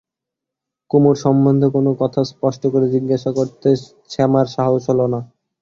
কুমুর সম্বন্ধে কোনো কথা স্পষ্ট করে জিজ্ঞাসা করতে শ্যামার সাহস হল না।